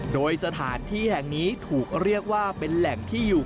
โดยสถานที่แห่งนี้ถูกเรียกว่าเป็นแหล่งที่อยู่